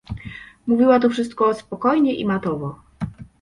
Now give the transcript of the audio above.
Mówiła to wszystko spokojnie i matowo.